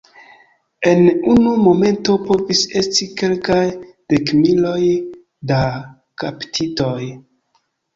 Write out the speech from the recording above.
En unu momento povis esti kelkaj dekmiloj da kaptitoj.